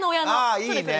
あいいね！